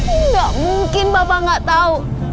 enggak mungkin papa gak tau